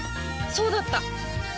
そうだった！